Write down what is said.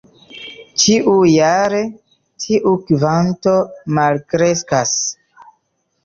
Ĉiujare tiu kvanto malkreskas.